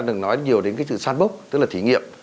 đừng nói nhiều đến cái sự sandbox tức là thí nghiệm